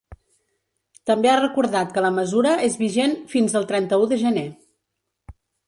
També ha recordat que la mesura és vigent fins el trenta-u de gener.